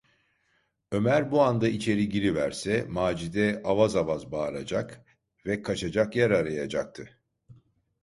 Ömer bu anda içeri giriverse Macide avaz avaz bağıracak ve kaçacak yer arayacaktı.